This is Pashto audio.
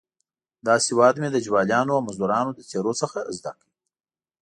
دا سواد مې د جوالیانو او مزدروانو له څېرو څخه زده کړ.